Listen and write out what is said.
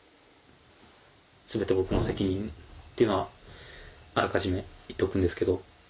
全て僕の責任っていうのはあらかじめ言っておくんですけど。